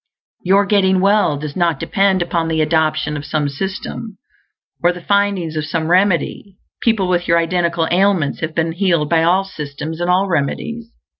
Your getting well does not depend upon the adoption of some system, or the finding of some remedy; people with your identical ailments have been healed by all systems and all remedies.